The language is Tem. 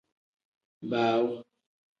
Baawu.